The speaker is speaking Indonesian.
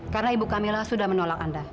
karena ibu kamila sudah menolak anda